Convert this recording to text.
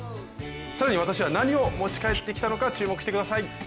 更に私は何を持ち帰ってきたのか注目してください。